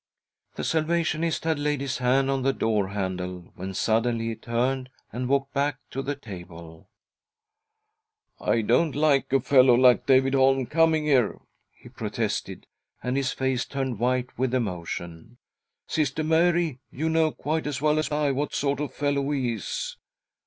The Salvationist had laid his hand on the door handle when suddenly he turned and walked back to the table. " I don't like a fellow like David Holm coming here," he protested, and his face turned white with emotion. "Sister Mary, you know quite as well as I what sort of a fellow he is.